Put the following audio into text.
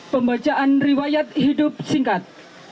pembacaan riwayat hidup singkat